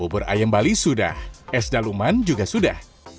bubur ayam bali sudah es daluman juga sudah